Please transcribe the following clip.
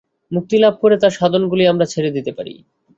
মুক্তি লাভ করে তার সাধনগুলি আমরা ছেড়ে দিতে পারি।